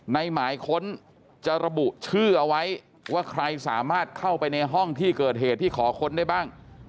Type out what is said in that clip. หมายค้นจะระบุชื่อเอาไว้ว่าใครสามารถเข้าไปในห้องที่เกิดเหตุที่ขอค้นได้บ้าง